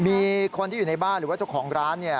มีคนที่อยู่ในบ้านหรือว่าเจ้าของร้านเนี่ย